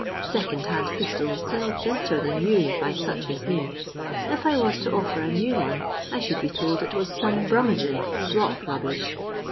Second hand pis tols sell better than new by such as me. If I was to offer a new one I should be told it was some Brummagem slop rubbish.